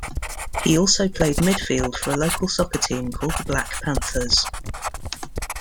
He also played midfield for a local soccer team called the Black Panthers.